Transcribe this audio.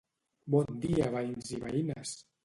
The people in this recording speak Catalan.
Bon dia veïns i veïnes!